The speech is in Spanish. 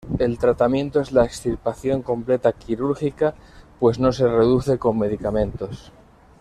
El tratamiento es la extirpación completa quirúrgica, pues no se reduce con medicamentos.